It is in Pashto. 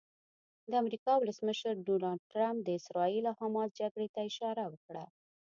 د امریکا ولسمشر ډونالډ ټرمپ د اسراییل او حماس جګړې ته اشاره وکړه.